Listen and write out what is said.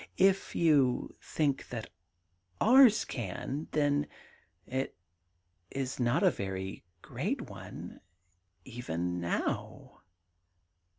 ' If you think that ours can, then it is not a very great one — even now.'